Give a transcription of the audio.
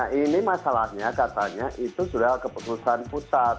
nah ini masalahnya katanya itu sudah keputusan pusat